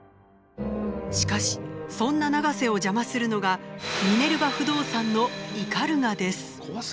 しかしそんな永瀬を邪魔するのがミネルヴァ不動産の鵤です。